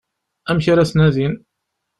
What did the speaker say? Amek ara t-nadin?